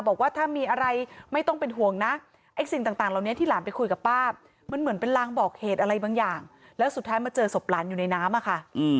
บางอย่างแล้วก็สุดท้ายมาเจอสวบหลานอยู่ในน้ำอะค่ะ